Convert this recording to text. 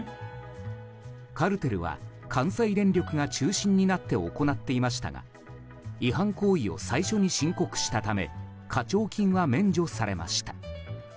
カルテルは関西電力が中心になって行っていましたが違反行為を最初に申告したため課徴金は免除されました。